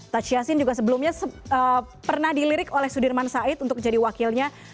taj yassin juga sebelumnya pernah dilirik oleh sudirman said untuk jadi wakilnya